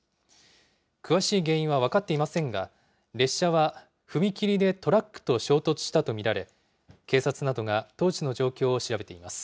詳しい原因は分かっていませんが、列車は踏切でトラックと衝突したと見られ、警察などが当時の状況を調べています。